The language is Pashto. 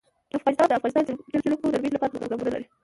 افغانستان د د افغانستان جلکو د ترویج لپاره پروګرامونه لري.